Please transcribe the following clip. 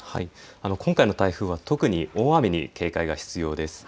今回の台風は特に大雨に警戒が必要です。